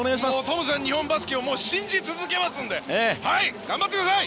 トムさん、日本のバスケを信じ続けますので頑張ってください！